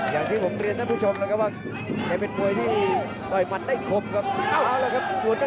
มันเพิ่มขึ้นครับสนามเพชรสร้างบ้าน